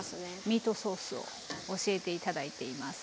ミートソースを教えて頂いています。